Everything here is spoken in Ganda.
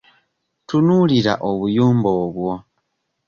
Tunuulira obuyumba obwo?